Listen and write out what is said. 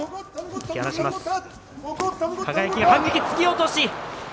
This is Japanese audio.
突き落とし。